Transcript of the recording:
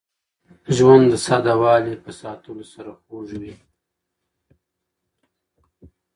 ژوند د ساده والي په ساتلو سره خوږ وي.